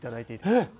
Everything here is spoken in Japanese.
えっ！